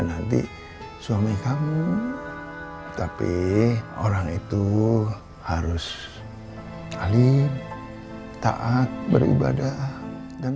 nanti suami kamu tapi orang itu harus alim taat beribadah dan